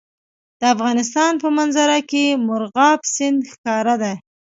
د افغانستان په منظره کې مورغاب سیند ښکاره ده.